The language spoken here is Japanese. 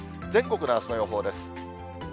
全国のあすの予報です。